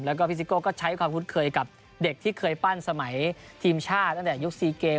แล้วก็พี่ซิโก้ก็ใช้ความคุ้นเคยกับเด็กที่เคยปั้นสมัยทีมชาติตั้งแต่ยุค๔เกม